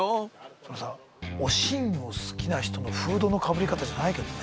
それさ「おしん」を好きな人のフードのかぶり方じゃないけどね。